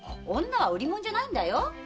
女は売り物じゃないんだよ。